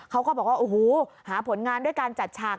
เขาก็บอกว่าโอ้โหหาผลงานด้วยการจัดฉาก